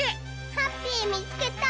ハッピーみつけた！